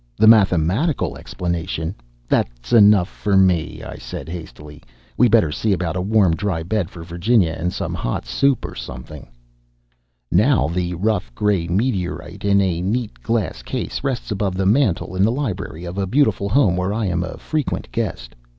The mathematical explanation " "That's enough for me!" I said hastily. "We better see about a warm, dry bed for Virginia, and some hot soup or something." Now the rough gray meteorite, in a neat glass case, rests above the mantel in the library of a beautiful home where I am a frequent guest.